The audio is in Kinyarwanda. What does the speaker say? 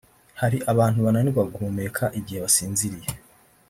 Hari abantu bananirwa guhumeka igihe basinziriye